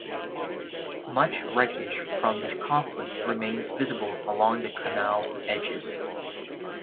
Much wreckage from this conflict remains visible along the canal's edges.